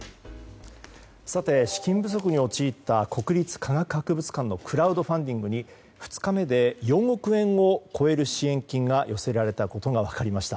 さて、資金不足に陥った国立科学博物館のクラウドファンティングに２日目で４億円を超える支援金が寄せられたことが分かりました。